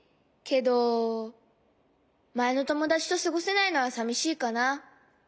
けどまえのともだちとすごせないのはさみしいかな。